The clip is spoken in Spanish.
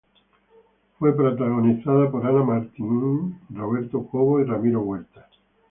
Fue protagonizada por Ana Martín, Roberto Cobo y Ramiro Huerta.